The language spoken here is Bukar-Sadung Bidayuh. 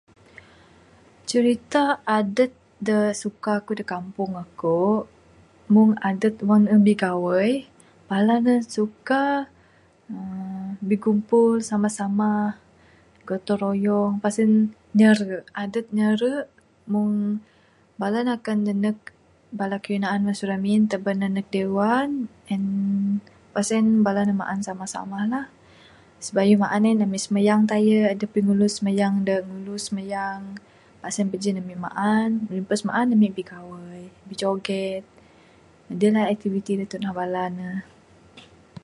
Cirita adup da suka aku da kampung aku mung adup mung bigawai, bala nuh suka ermm bikumpul samah-samah gotong royong lepas en nyara adup nyara mung bala nuh akan nanuk bala kayuh naan masu ramin taban nuh nuh dewan, and lepas en bala nuh maan samah-samah lah. Sibayuh maan en ami simayang taye aduh pengulu simayang da ngulu simayang, sen pajin ami maan, rimpas maan ami bigawai bijoget adeh lah aktiviti da tunah bala nuh.